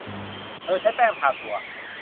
เธอใช้แป้งทาตัว